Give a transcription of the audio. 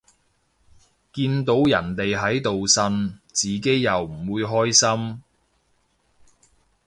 見到人哋喺度呻，自己又唔會開心